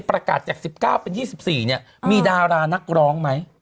ประกาศจาก๑๙เป็น๒๔เนี่ยมีดารานักร้องไหม